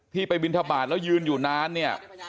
ไปบินทบาทแล้วยืนอยู่นานเนี่ย